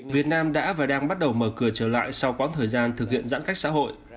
việt nam đã và đang bắt đầu mở cửa trở lại sau quãng thời gian thực hiện giãn cách xã hội